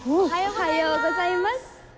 おはようございます。